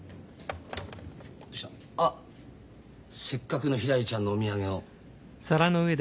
あせっかくのひらりちゃんのお土産を。